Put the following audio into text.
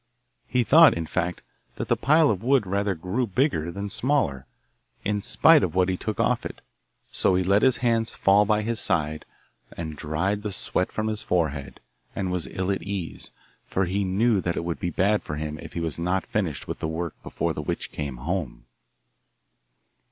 He thought, in fact, that the pile of wood rather grew bigger than smaller, in spite of what he took off it; so he let his hands fall by his side, and dried the sweat from his forehead, and was ill at ease, for he knew that it would be bad for him if he was not finished with the work before the witch came home.